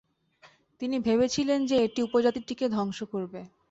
তিনি ভেবেছিলেন যে এটি উপজাতিটিকে ধ্বংস করবে।